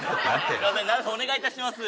すいませんお願い致します。